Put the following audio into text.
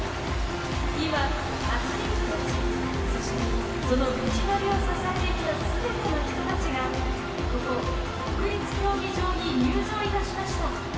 今、アスリートたちそして、その道のりを支えてきたすべての人たちがここ、国立競技場に入場いたしました。